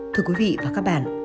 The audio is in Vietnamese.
thưa quý vị và các bạn